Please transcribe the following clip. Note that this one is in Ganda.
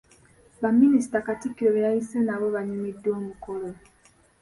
Baminisita Katikkiro be yayise nabo baanyumiddwa omukolo.